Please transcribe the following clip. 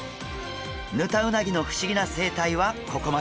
ヌタウナギの不思議な生態はここまで。